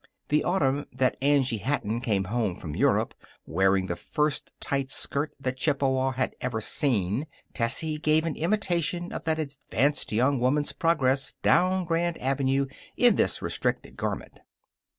The autumn that Angie Hatton came home from Europe wearing the first tight skirt that Chippewa had ever seen, Tessie gave an imitation of that advanced young woman's progress down Grand Avenue in this restricting garment.